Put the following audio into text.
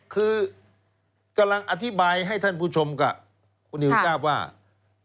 คือกำลังอธิบายให้ท่านผู้ชมกับคุณนิวทราบว่า